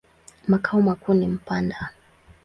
Makao makuu ni Mpanda.